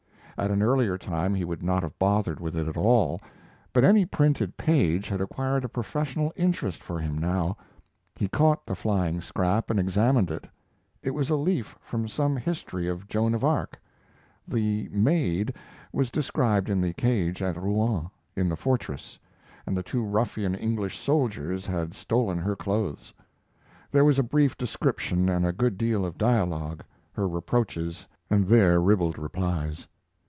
At an earlier time he would not have bothered with it at all, but any printed page had acquired a professional interest for him now. He caught the flying scrap and examined it. It was a leaf from some history of Joan of Arc. The "maid" was described in the cage at Rouen, in the fortress, and the two ruffian English soldiers had stolen her clothes. There was a brief description and a good deal of dialogue her reproaches and their ribald replies.